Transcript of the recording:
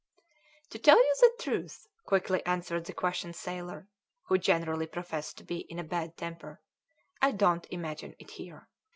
"To tell you the truth," quickly answered the questioned sailor, who generally professed to be in a bad temper, "I don't imagine it here."